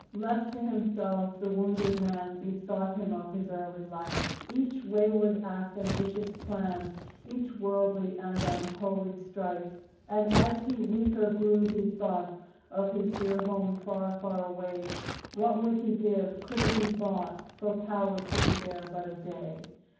Left to himself the wounded man Bethought him of his early life, Each wayward act and vicious plan, Each worldly and unholy strife. And as he weaker grew he thought Of his dear home, far, far away; What would he give could it be bought For power to be there but a day.